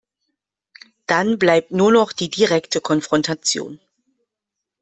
Dann bleibt nur noch die direkte Konfrontation.